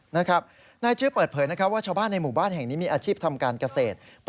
นายจื้อเปิดเผยนะครับว่าชาวบ้านในหมู่บ้านแห่งนี้มีอาชีพทำการเกษตร